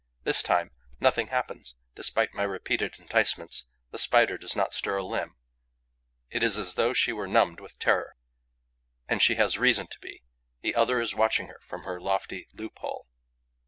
This time, nothing happens: despite my repeated enticements, the Spider does not stir a limb. It is as though she were numbed with terror. And she has reason to be: the other is watching her from her lofty loop hole.